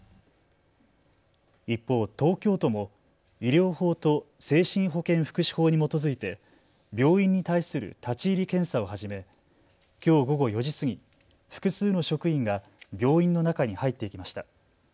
一方、東京都も医療法と精神保健福祉法に基づいて病院に対する立ち入り検査を始めきょう午後４時過ぎ、複数の職員が病院の中に入っていきました。